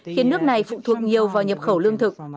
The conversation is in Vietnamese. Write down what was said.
khiến nước này phụ thuộc nhiều vào nhập khẩu lương thực